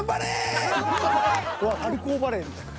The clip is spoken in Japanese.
春高バレーみたい。